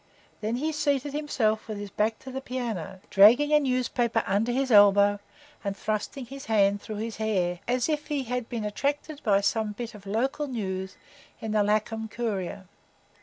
Then he seated himself with his back to the piano, dragging a newspaper under his elbow, and thrusting his hand through his hair, as if he had been attracted by some bit of local news in the "Laceham Courier."